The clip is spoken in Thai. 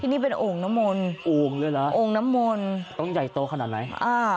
นี่เป็นโอ่งน้ำมนต์โอ่งเลยเหรอโอ่งน้ำมนต์ต้องใหญ่โตขนาดไหนอ่า